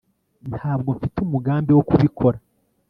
ntabwo mfite umugambi wo kubikora